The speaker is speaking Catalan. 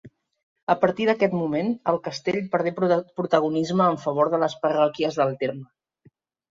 A partir d'aquest moment el castell perdé protagonisme en favor de les parròquies del terme.